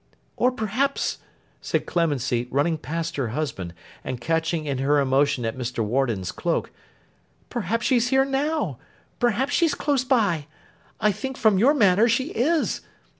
'Or perhaps,' said Clemency, running past her husband, and catching in her emotion at Mr. Warden's cloak, 'perhaps she's here now; perhaps she's close by. I think from your manner she is.